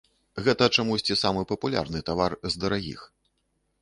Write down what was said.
Гэта чамусьці самы папулярны тавар з дарагіх.